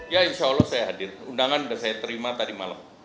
ya insya allah saya hadir undangan sudah saya terima tadi malam